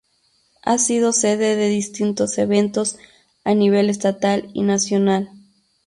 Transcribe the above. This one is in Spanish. Ha sido sede de distintos eventos a nivel estatal y nacional.